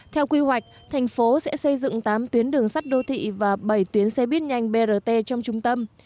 theo quy hoạch thành phố sẽ xây dựng tám tuyến đường sắt đô thị và bảy tuyến xe buýt nhanh brt trong trung tâm